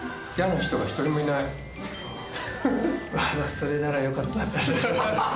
それならよかった。